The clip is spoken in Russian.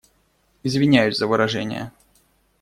Извиняюсь за выражения.